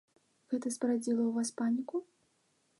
Гэта спарадзіла ў вас паніку?